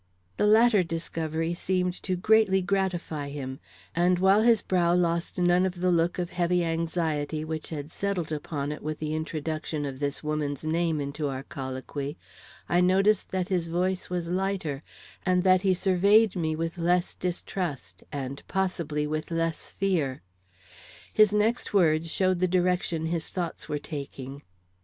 The latter discovery seemed to greatly gratify him, and while his brow lost none of the look of heavy anxiety which had settled upon it with the introduction of this woman's name into our colloquy, I noticed that his voice was lighter, and that he surveyed me with less distrust and possibly with less fear. His next words showed the direction his thoughts were taking.